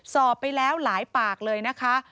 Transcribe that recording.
สอบไปแล้วหลายปากเลยนะคะ